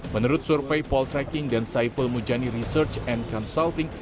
menurut survei poltreking dan saiful mujani research and consulting